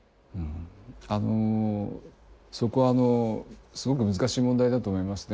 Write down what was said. あのそこはすごく難しい問題だと思いますね。